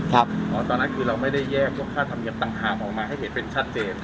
เพราะตอนนั้นคือเราไม่ได้แยกพวกค่าธรรมเนียมต่างหากออกมาให้เห็นเป็นชัดเจน